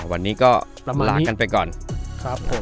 วันนี้ก็